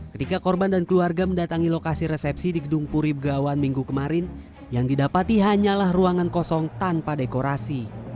ketika korban dan keluarga mendatangi lokasi resepsi di gedung puri begawan minggu kemarin yang didapati hanyalah ruangan kosong tanpa dekorasi